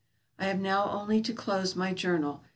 I have now only to close my journal.